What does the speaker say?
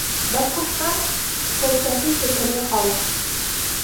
Башҡорттар — фәлсәфи фекерле халыҡ.